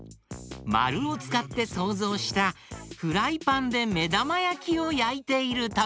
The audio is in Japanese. まるをつかってそうぞうしたフライパンでめだまやきをやいているところ。